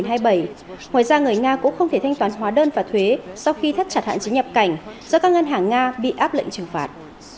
ngoài ra người nga cũng không thể thanh toán hóa đơn và thuế sau khi thắt chặt hạn chế nhập cảnh do các ngân hàng nga bị áp lệnh trừng phạt